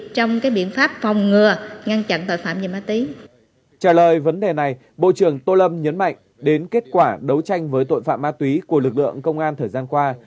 trả lời vấn đề này bộ trưởng tô lâm nhấn mạnh đến kết quả đấu tranh với tội phạm ma túy của lực lượng công an thời gian qua